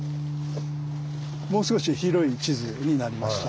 もう少し広い地図になりました。